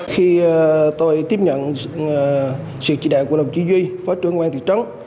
khi tôi tiếp nhận sự chỉ đại của đồng chí duy phó trưởng ngoan thị trấn